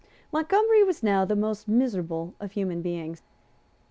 Montgomery was now the most miserable of human beings.